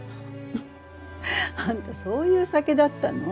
フッあんたそういう酒だったの？